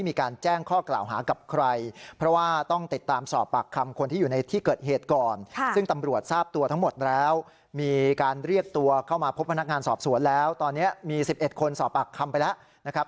มี๑๑คนสอบอากคำไปแล้วนะครับ